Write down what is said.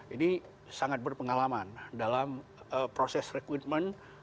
ini sangat berpengalaman dalam proses rekrutmen